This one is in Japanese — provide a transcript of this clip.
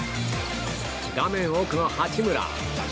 画面奥の八村。